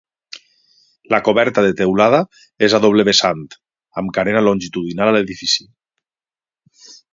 La coberta de teulada és a doble vessant, amb carena longitudinal a l'edifici.